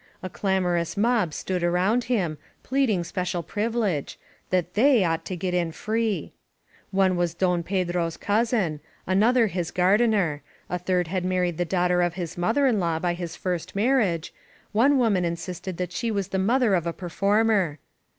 A clamorous mob stood around him, pleading special privilege — ^that they ought to get in free. One was Don Pedro's cousin; another his gardener ; a third had married the daughter of his mother in law by his first marriage ; one woman insisted that she was the mother of a performer.